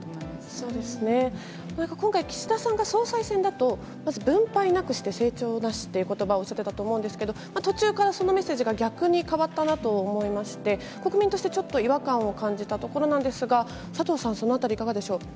そうですね、今回、岸田さんが総裁選だと、まず分配なくして成長なしということばをおっしゃってたと思うんですけど、途中からそのメッセージが逆に変わったなと思いまして、国民として、ちょっと違和感を感じたところなんですが、佐藤さん、そのあたり、いかがでしょう？